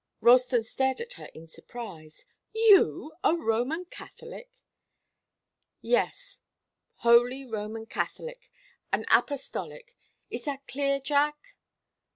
Ralston stared at her in surprise. "You a Roman Catholic?" "Yes Holy Roman Catholic and Apostolic. Is that clear, Jack?"